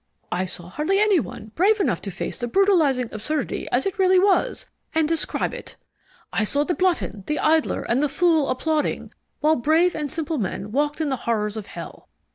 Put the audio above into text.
I saw hardly any one brave enough to face the brutalizing absurdity as it really was, and describe it. I saw the glutton, the idler, and the fool applauding, while brave and simple men walked in the horrors of hell.